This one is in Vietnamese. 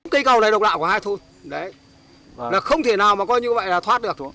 cây cầu này độc đạo của hai thôn không thể nào mà coi như vậy là thoát được